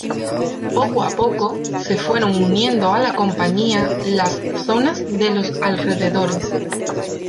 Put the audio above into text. Poco a poco, se fueron uniendo a la compañía las zonas de los alrededores.